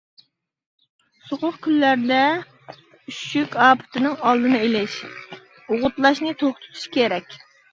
سوغۇق كۈنلەردە ئۈششۈك ئاپىتىنىڭ ئالدىنى ئېلىش، ئوغۇتلاشنى توختىتىش كېرەك.